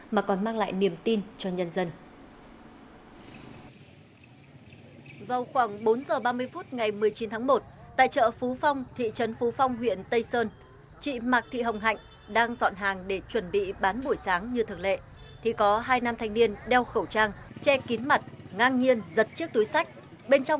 mà còn mang lại niềm tin cho nhân dân